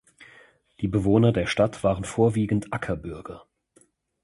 Die Bewohner der Stadt waren vorwiegend Ackerbürger.